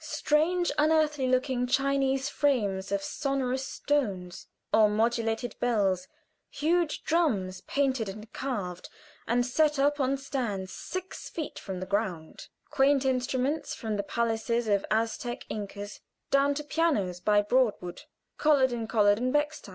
Strange, unearthly looking Chinese frames of sonorous stones or modulated bells; huge drums, painted and carved, and set up on stands six feet from the ground; quaint instruments from the palaces of Aztec Incas, down to pianos by Broadwood, Collard & Collard, and Bechstein.